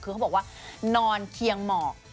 คือเขาบอกว่านอนเคียงหมอก